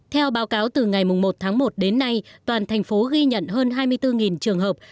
theo báo cáo từ ngày một tháng một đến nay toàn thành phố ghi nhận hơn hai mươi bốn trường hợp